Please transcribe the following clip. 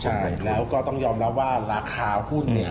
ใช่แล้วก็ต้องยอมรับว่าราคาหุ้นเนี่ย